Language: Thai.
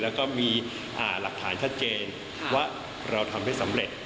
แล้วก็มีหลักฐานชัดเจนว่าเราทำได้สำเร็จ